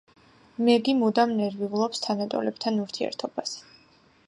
მეგი მუდამ ნერვიულობს თანატოლებთან ურთიერთობაზე.